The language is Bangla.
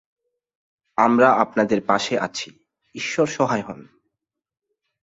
আমরা আপনাদের পাশে আছি, ঈশ্বর সহায় হোন।'